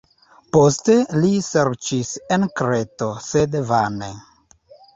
Poste, li serĉis en Kreto, sed vane.